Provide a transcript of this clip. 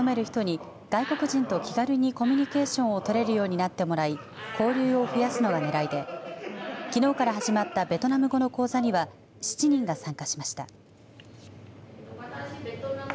市民や市内に勤める人に外国人と気軽にコミュニケーションをとれるようになってもらい交流を増やすのがねらいできのうから始まったベトナム語の講座には７人が参加しました。